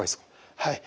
はい。